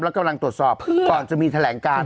แล้วกำลังตรวจสอบก่อนจะมีแถลงการ